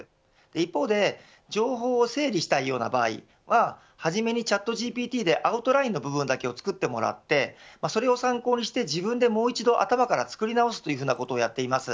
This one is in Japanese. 一方で情報を整理したいような場合はじめにチャットＧＰＴでアウトラインを作ってもらってそれを参考にして自分でもう一度頭から作り直すとようなことをやっています。